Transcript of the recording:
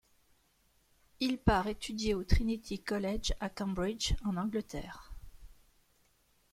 Il part étudier au Trinity College à Cambridge en Angleterre.